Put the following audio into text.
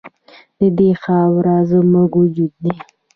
د دې خاوره زموږ وجود دی